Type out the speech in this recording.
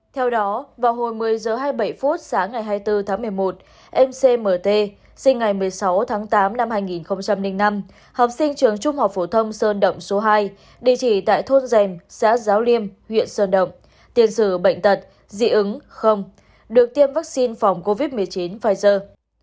theo đó vào hồi một mươi h hai mươi bảy phút sáng ngày hai mươi bốn tháng một mươi một em cmt sinh ngày một mươi sáu tháng tám năm hai nghìn năm học sinh trường trung học phổ thông sơn động số hai địa chỉ tại thôn dèm xã giáo liêm huyện sơn động tiền sử bệnh tật dị ứng không được tiêm vaccine phòng covid một mươi chín pfizer